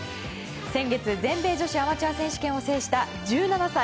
先月全米女子アマチュア選手権を制した１７歳。